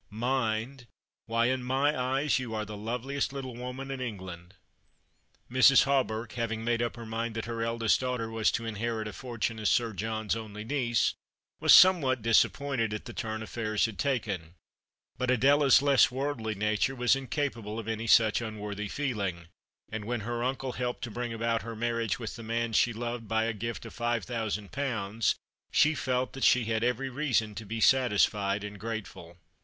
" Mind ? Why in my eyes you are the loveliest little woman in England." Mrs. Hawberk, having made up her mind that her eldest daughter was to inherit a fortune as Sir John's only niece, was somewhat disappointed at the turn affairs had taken ; but Adela's less worldly nature was incapable The Christmas Hirelings. 261 of any such imworthy feeling, and when her uncle helped to bring about her marriage with the man she loved by a gift of five thousand pounds she felt that she had every reason to be satisfied and grateful.